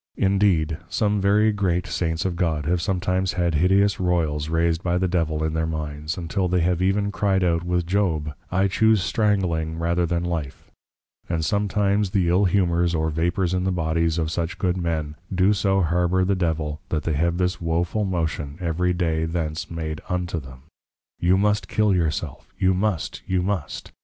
Indeed, some very great Saints of God, have sometimes had hideous Royls raised by the Devil in their minds; untill they have e'en cry'd out with Job, I choose strangling rather than Life; and sometimes the ill Humours or Vapours in the Bodies of such Good Men, do so harbour the Devil that they have this woful motion every day thence made unto them; _You must Kill your self! you must! you must!